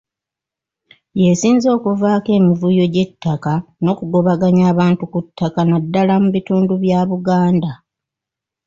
Y'esinze okuvaako emivuyo gy’ettaka n’okugobaganya abantu ku ttaka naddala mu bitundu bya Buganda.